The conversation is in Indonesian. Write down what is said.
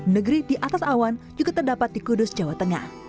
negeri di atas awan juga terdapat di kudus jawa tengah